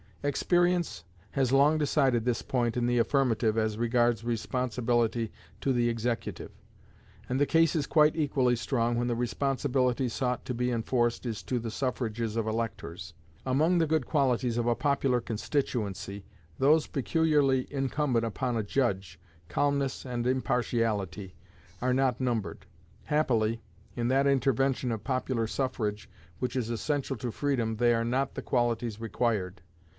Experience has long decided this point in the affirmative as regards responsibility to the executive, and the case is quite equally strong when the responsibility sought to be enforced is to the suffrages of electors. Among the good qualities of a popular constituency, those peculiarly incumbent upon a judge, calmness and impartiality, are not numbered. Happily, in that intervention of popular suffrage which is essential to freedom they are not the qualities required.